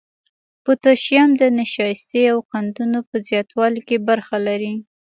پوتاشیم د نشایستې او قندونو په زیاتوالي کې برخه لري.